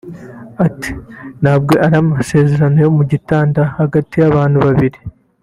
Ati “Ntabwo ari amasezerano yo mu gitanda hagati y’abantu babiri